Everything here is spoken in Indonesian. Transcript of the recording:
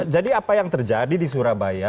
jadi apa yang terjadi di surabaya